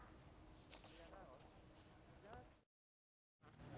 คุณพูดแรก